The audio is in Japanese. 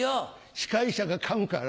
司会者が噛むから。